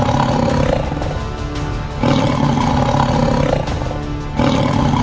oke gue buka airport hari ini